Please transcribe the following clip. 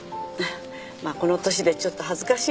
まあこの年でちょっと恥ずかしいけどね。